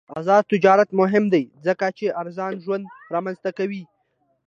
آزاد تجارت مهم دی ځکه چې ارزان ژوند رامنځته کوي.